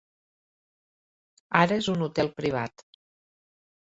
Ara és un hotel privat.